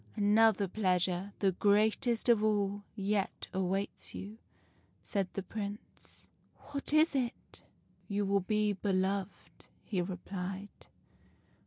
"' Another pleasure, the greatest of all, yet awaits you,' said the Prince. "' What is it ?'"' You will be beloved,' he replied.